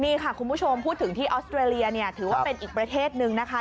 นี่ค่ะคุณผู้ชมพูดถึงที่ออสเตรเลียเนี่ยถือว่าเป็นอีกประเทศนึงนะคะ